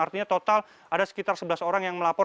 artinya total ada sekitar sebelas orang yang melapor